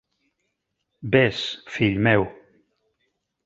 Ves, fill meu.